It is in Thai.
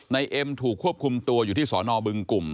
เอ็มถูกควบคุมตัวอยู่ที่สอนอบึงกลุ่ม